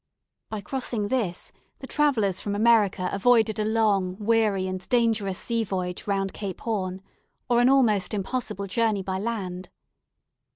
By crossing this, the travellers from America avoided a long, weary, and dangerous sea voyage round Cape Horn, or an almost impossible journey by land.